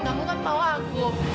kamu kan tau aku